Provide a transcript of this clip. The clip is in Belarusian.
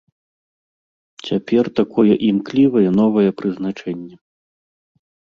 Цяпер такое імклівае новае прызначэнне.